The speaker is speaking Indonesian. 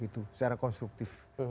itu secara konstruktif